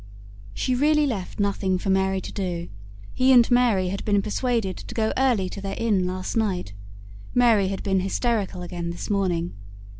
"She really left nothing for Mary to do. He and Mary had been persuaded to go early to their inn last night. Mary had been hysterical again this morning.